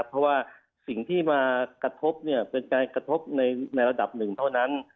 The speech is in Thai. เพราะว่าสิ่งที่มากระทบเป็นการกระทบในระดับหนึ่งเท่านั้น